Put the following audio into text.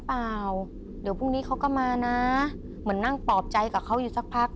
เปล่าเดี๋ยวพรุ่งนี้เขาก็มานะเหมือนนั่งปลอบใจกับเขาอยู่สักพัก